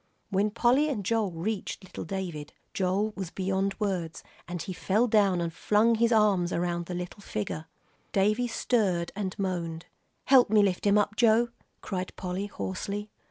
When Polly and Joel reached little David, Joel was beyond words, and he fell down and flung his arms around the little figure. Davie stirred and moaned. "Help me lift him up, Joe," cried Polly, hoarsely.